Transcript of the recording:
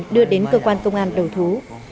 hữu lộc đưa đến cơ quan công an đầu thú